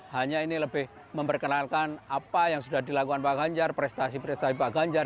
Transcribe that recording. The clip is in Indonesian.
hanya ini lebih memperkenalkan apa yang sudah dilakukan pak ganjar prestasi prestasi pak ganjar